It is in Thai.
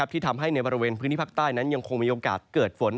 ที่ทำให้ในบริเวณพื้นที่ภาคใต้นั้นยังคงมีโอกาสเกิดฝน